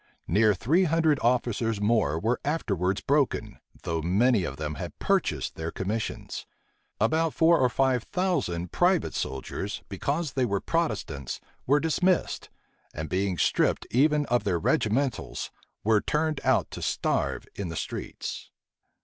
Near three hundred officers more were afterwards broken, though many of them had purchased their commissions: about four or five thousand private soldiers, because they were Protestants, were dismissed; and being stripped even of their regimentals, were turned out to starve in the streets.